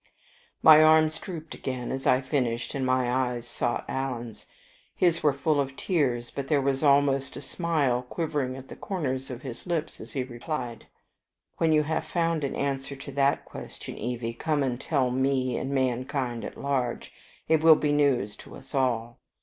My arms drooped again as I finished, and my eyes sought Alan's. His were full of tears, but there was almost a smile quivering at the corners of his lips as he replied: "When you have found an answer to that question, Evie, come and tell me and mankind at large: it will be news to us all."